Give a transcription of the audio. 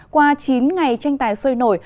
qua chín ngày tranh tài sôi nổi